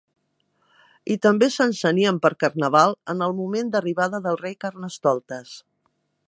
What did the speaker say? I també s'encenien per carnaval, en el moment d'arribada del rei Carnestoltes.